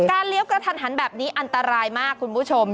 เลี้ยวกระทันหันแบบนี้อันตรายมากคุณผู้ชม